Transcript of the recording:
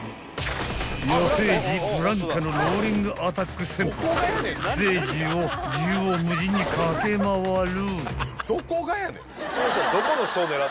［野生児ブランカのローリングアタック戦法］［ステージを縦横無尽に駆け回る］